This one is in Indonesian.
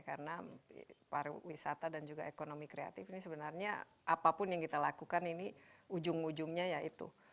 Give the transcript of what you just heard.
karena pariwisata dan juga ekonomi kreatif ini sebenarnya apapun yang kita lakukan ini ujung ujungnya yaitu